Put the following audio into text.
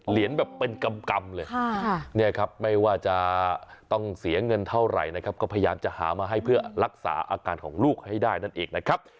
แบบเป็นกำเลยเนี่ยครับไม่ว่าจะต้องเสียเงินเท่าไหร่นะครับก็พยายามจะหามาให้เพื่อรักษาอาการของลูกให้ได้นั่นเองนะครับ